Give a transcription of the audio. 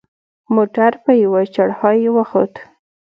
موټر په یوه چړهایي وخوت.